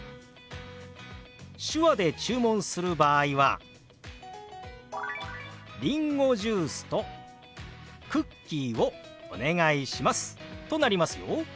手話で注文する場合は「りんごジュースとクッキーをお願いします」となりますよ。